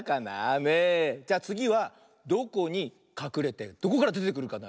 じゃあつぎはどこにかくれてどこからでてくるかな。